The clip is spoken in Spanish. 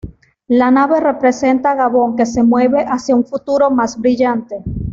La nave representa a Gabón que se mueve hacia un futuro más brillante.